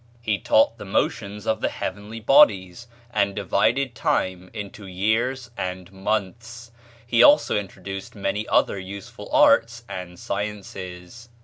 He taught the motions of the heavenly bodies, and divided time into years and months; he also introduced many other useful arts and sciences.